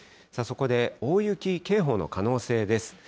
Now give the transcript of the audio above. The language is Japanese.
そこで大雪警報の可能性です。